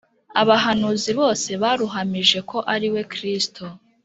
abahanuzi bose baramuhamije ko ariwe kristo